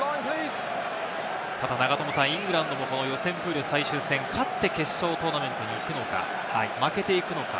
ただ永友さん、イングランドの予選プール、最終戦、勝って決勝トーナメントに行くのか、負けていくのか。